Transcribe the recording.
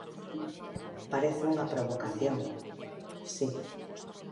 Parece unha provocación, si.